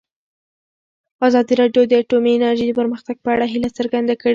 ازادي راډیو د اټومي انرژي د پرمختګ په اړه هیله څرګنده کړې.